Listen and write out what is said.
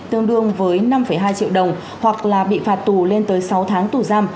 tương đương với năm hai triệu đồng hoặc là bị phạt tù lên tới sáu tháng tù giam